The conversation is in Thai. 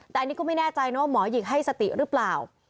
แต่อันนี้ก็ไม่แน่ใจเนอะหมอหยิกให้สติรึเปล่า